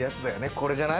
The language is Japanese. これじゃない？